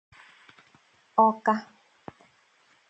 Awka.